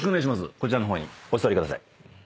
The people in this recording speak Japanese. こちらの方にお座りください。